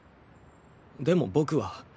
でも僕は。